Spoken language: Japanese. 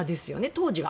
当時は。